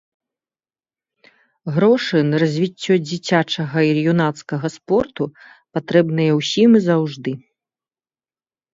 Грошы на развіццё дзіцячага і юнацкага спорту патрэбныя ўсім і заўжды.